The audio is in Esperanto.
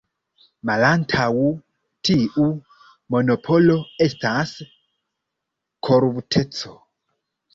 Malantaŭ tiu monopolo estas korupteco.